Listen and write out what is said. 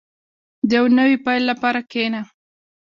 • د یو نوي پیل لپاره کښېنه.